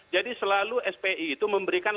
jadi selalu spi itu memberikan